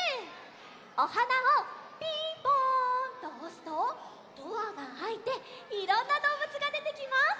おはなを「ピンポン！」とおすとドアがあいていろんなどうぶつがでてきます！